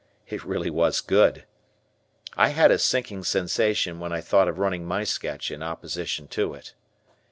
It really was good. I had a sinking sensation when I thought of running my sketch in opposition to it.